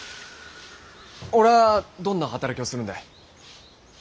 俺はどんな働きをするんで？